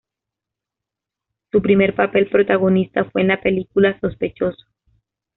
Su primer papel protagonista fue en la película Sospechoso.